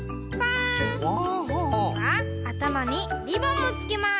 あたまにリボンもつけます！